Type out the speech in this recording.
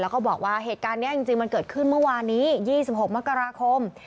แล้วก็บอกว่าเหตุการณ์นี้จริงมันเกิดขึ้นเมื่อวานนี้๒๖มกราคม